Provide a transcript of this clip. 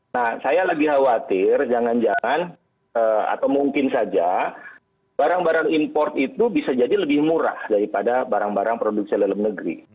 nah saya lagi khawatir jangan jangan atau mungkin saja barang barang import itu bisa jadi lebih murah daripada barang barang produksi dalam negeri